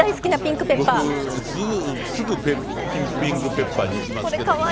僕、すぐピンクペッパーにいきますけどね。